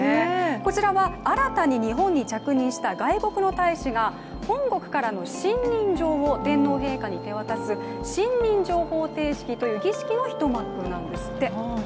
こちらは、新たに日本に着任した外国の大使が本国からの信任状を天皇陛下に手渡す、信任状捧呈式という儀式の一幕なんですって。